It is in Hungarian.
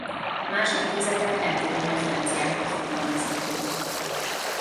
Más intézetek eltérő referenciákat fogalmaztak meg.